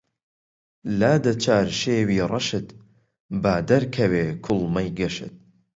لادە چارشێوی ڕەشت با دەرکەوێ کوڵمەی گەشت